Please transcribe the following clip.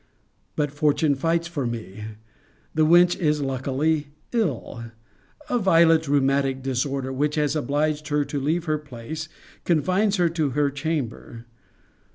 But fortune fights for me. The wench is luckily ill; a violent rheumatic disorder, which has obliged her to leave her place, confines her to her chamber.